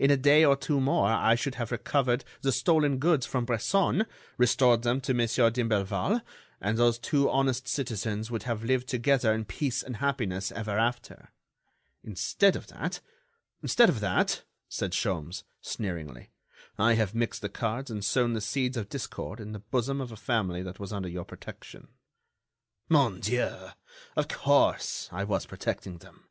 In a day or two more, I should have recovered the stolen goods from Bresson, restored them to Monsieur d'Imblevalle, and those two honest citizens would have lived together in peace and happiness ever after. Instead of that—" "Instead of that," said Sholmes, sneeringly, "I have mixed the cards and sown the seeds of discord in the bosom of a family that was under your protection." "Mon Dieu! of course, I was protecting them.